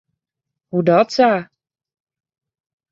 Hoedatsa?